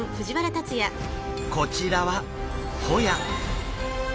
こちらはホヤ。